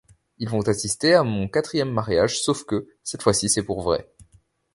Ils vont assister à mon quatrième mariage, sauf que, cette fois-ci, c’est pour vrai.